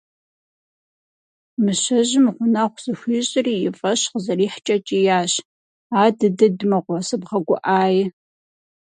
Мыщэжьым гъунэгъу зыхуищӏри и фӏэщ къызэрихькӏэ кӏиящ: «Адыдыд мыгъуэ сыбгъэгуӏай».